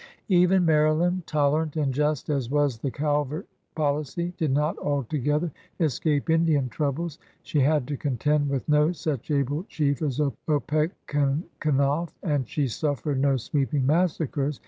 Even Maryland, tolerant and just as was the Calvert policy, did not altogether escape Indian troubles. She had to contend with no such able chief as Opechancanough, and she suffered no sweeping massacres.